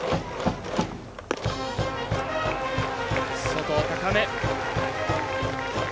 外、高め。